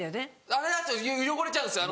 あれやると汚れちゃうんですよ